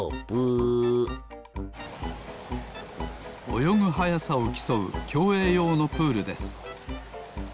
およぐはやさをきそうきょうえいようのプールです。